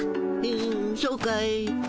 ふんそうかい。